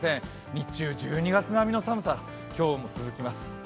日中は１２月並みの寒さ、今日も続きます。